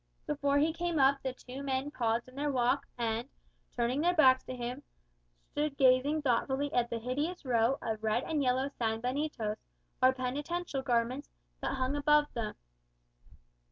Before he came up the two men paused in their walk, and turning their backs to him, stood gazing thoughtfully at the hideous row of red and yellow Sanbenitos, or penitential garments, that hung above them.